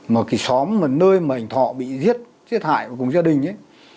mà cái xóm mà nơi mà ảnh thọ bị giết giết hại cùng gia đình ấy